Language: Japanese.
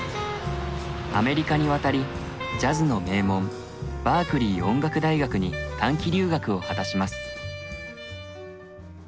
アメリカに渡りジャズの名門バークリー音楽大学に短期留学を果たします。